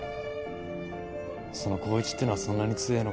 その光一ってのはそんなに強えのか。